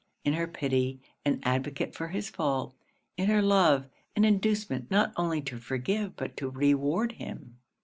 In her pity, an advocate for his fault in her love, an inducement not only to forgive but to reward him.